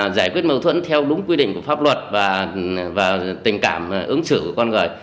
giải quyết mâu thuẫn theo đúng quy định của pháp luật và tình cảm ứng xử của con người